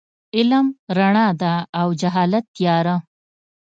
علم رڼا ده او جهالت تیاره.